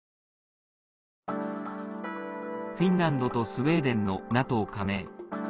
フィンランドとスウェーデンのＮＡＴＯ加盟。